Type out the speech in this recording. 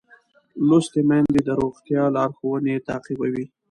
لوستې میندې د روغتیا لارښوونې تعقیبوي.